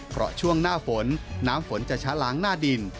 เพราะช่วงหน้าฝนน้ำฝนจะชะล้างหน้าดิน